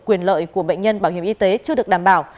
quyền lợi của bệnh nhân bảo hiểm y tế chưa được đảm bảo